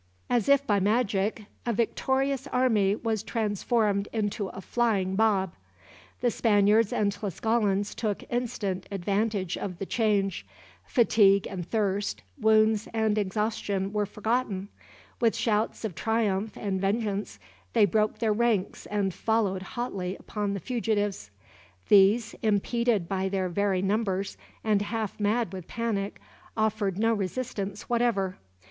As if by magic, a victorious army was transformed into a flying mob. The Spaniards and Tlascalans took instant advantage of the change. Fatigue and thirst, wounds and exhaustion were forgotten. With shouts of triumph, and vengeance, they broke their ranks and followed hotly upon the fugitives. These, impeded by their very numbers, and half mad with panic, offered no resistance whatever.